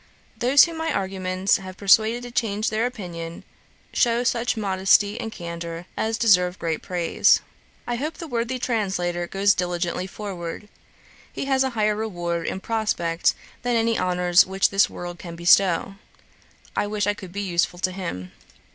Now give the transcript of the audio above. Those whom my arguments have persuaded to change their opinion, shew such modesty and candour as deserve great praise. 'I hope the worthy translator goes diligently forward. He has a higher reward in prospect than any honours which this world can bestow. I wish I could be useful to him.